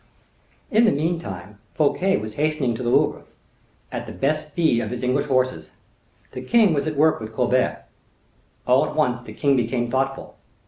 In the meantime Fouquet was hastening to the Louvre, at the best speed of his English horses. The king was at work with Colbert. All at once the king became thoughtful.